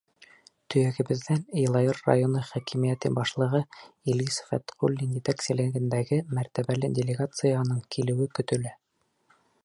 Төйәгебеҙҙән Йылайыр районы хакимиәте башлығы Илгиз Фәтҡуллин етәкселегендәге мәртәбәле делегацияның килеүе көтөлә.